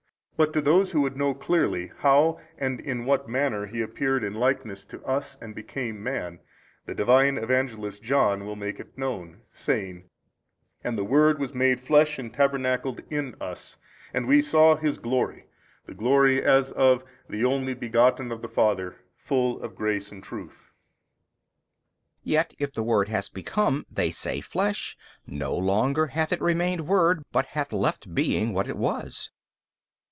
But to those who would know clearly how and in what manner He appeared in likeness to us and became man, the Divine Evangelist John will make it known, saying, And the Word was made flesh and tabernacled in us (and |241 we saw His glory, (the glory as of the Only Begotten of the Father) full of grace and truth. B. Yet if the Word has become (they say) flesh, no longer hath It remained Word but hath left being what It was.